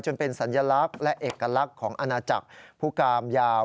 เป็นสัญลักษณ์และเอกลักษณ์ของอาณาจักรผู้กามยาว